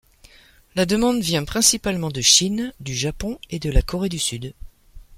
La demande vient principalement de Chine, du Japon et de la Corée du Sud.